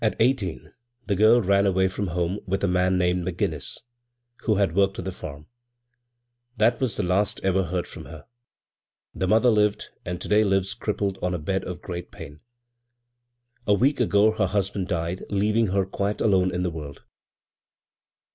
" At eighteen the girl ran away from home with a man named ' McGinnis,' who had worked on the farm. That was the last ever heard from her. The mother lived, and to day lies crippled on a bed of great pain. A week ago her husband died, leaving her quite alone in the world.